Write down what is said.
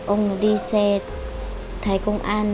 ông đi xe thấy công an